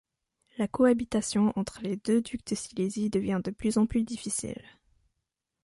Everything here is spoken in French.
La cohabitation entre les deux ducs de Silésie devient de plus en plus difficile.